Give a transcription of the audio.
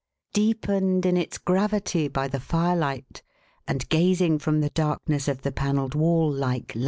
Deepened in its gravity by the firelight, and gazing from the darkness of the panelled wall like life.